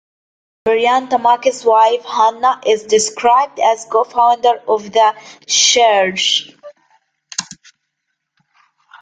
Brian Tamaki's wife Hannah, is described as "co-founder" of the church.